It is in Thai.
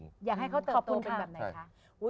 อยากให้เขาเติบโตเป็นแบบไหนคะ